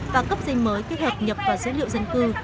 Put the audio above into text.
và cấp danh mới kết hợp nhập vào dữ liệu dân cư